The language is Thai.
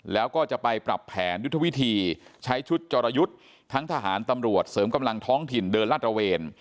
แล้วก็จะไปปรับแผนยุทธวิธีใช้ชุดจรยุทธ์ทั้งทหารตำรวจเสริมกำลังท้องถิ่นเดินลาดตระเวน